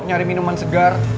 nyari minuman segar